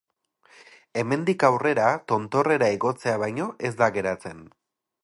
Hemendik aurrera, tontorrera igotzea baino ez da geratzen.